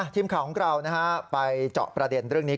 ทีมข่าวของเราไปเจาะประเด็นเรื่องนี้